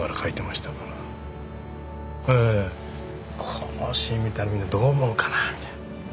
「このシーン見たらみんなどう思うかな」みたいな。